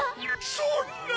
そんな。